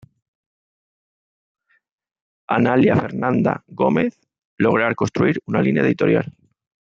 Analía Fernanda Gómez, lograr construir una línea editorial.